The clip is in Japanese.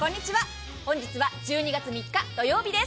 本日は１２月３日土曜日です。